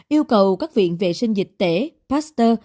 yêu cầu các viện vệ sinh dịch tể pasteur